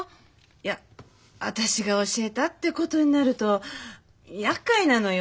いや私が教えたってことになるとやっかいなのよ。